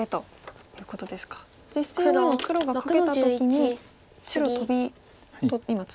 実戦は今黒がカケた時に白トビと。